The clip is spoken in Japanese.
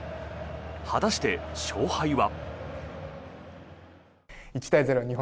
果たして勝敗は？